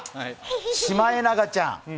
シマエナガちゃん。